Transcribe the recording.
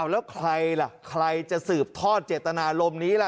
แล้วใครล่ะใครจะสืบทอดเจตนารมณ์นี้ล่ะ